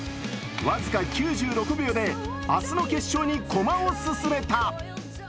僅か９６秒で、明日の決勝に駒を進めた。